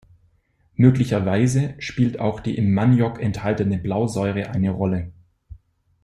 Möglicherweise spielt auch die im Maniok enthaltene Blausäure eine Rolle.